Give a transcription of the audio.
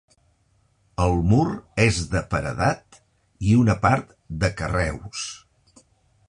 El mur és de paredat i una part de carreus.